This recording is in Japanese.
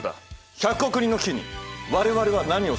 １００億人の危機に我々は何をすべきか！」。